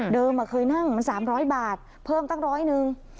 เคยนั่งมัน๓๐๐บาทเพิ่มตั้งร้อยหนึ่ง